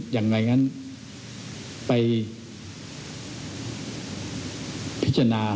ยังไงงั้นไปพิจารณา